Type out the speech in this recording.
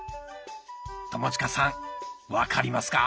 友近さん分かりますか？